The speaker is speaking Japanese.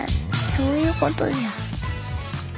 そういうことじゃ。